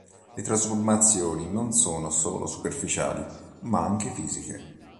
Le trasformazioni non sono solo "superficiali", ma anche fisiche.